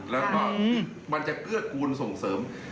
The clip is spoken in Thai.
แล้วก็มันจะเกื้อกูลส่งเสริม